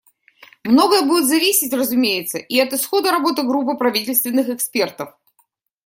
Многое будет зависеть, разумеется, и от исхода работы группы правительственных экспертов.